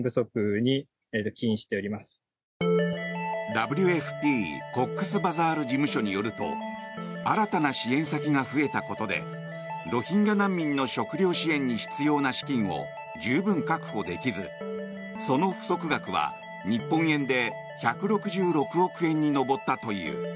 ＷＦＰコックスバザール事務所によると新たな支援先が増えたことでロヒンギャ難民の食料支援に必要な資金を十分確保できずその不足額は日本円で１６６億円に上ったという。